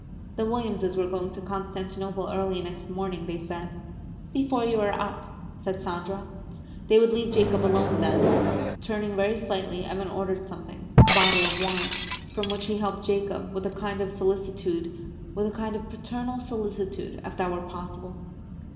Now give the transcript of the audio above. The Williamses were going to Constantinople early next morning, they said. "Before you are up," said Sandra. They would leave Jacob alone, then. Turning very slightly, Evan ordered something a bottle of wine from which he helped Jacob, with a kind of solicitude, with a kind of paternal solicitude, if that were possible.